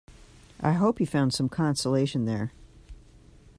I hope he found some consolation there.